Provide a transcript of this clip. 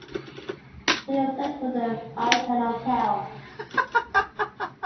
Where he searched for them, I cannot tell.